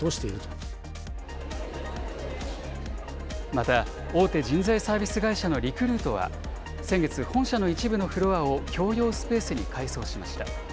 また大手人材サービス会社のリクルートは、先月、本社の一部のフロアを共用スペースに改装しました。